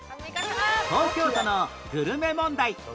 東京都のグルメ問題